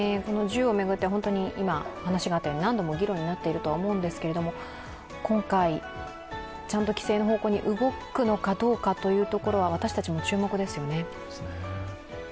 銃を巡っては話があったように、何度も議論になっていると思うんですが今回、ちゃんと規制の方向に動くのかどうかというところは私たちも注目ですよね。